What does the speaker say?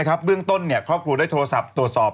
เบื้องต้นครอบครัวได้โทรศัพท์ตรวจสอบ